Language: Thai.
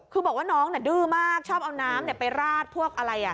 คือบอกว่าน้องดื้อมากชอบเอาน้ำไปราดพวกอะไร